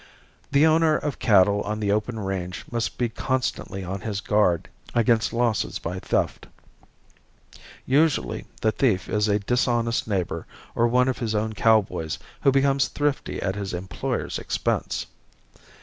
The owner of cattle on the open range must be constantly on his guard against losses by theft. Usually the thief is a dishonest neighbor or one of his own cowboys who becomes thrifty at his employer's expense.